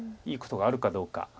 いいことがあるかどうか。